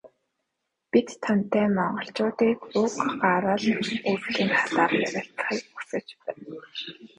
Бид тантай Монголчуудын уг гарал үүслийн талаар ярилцахыг хүсэж байна.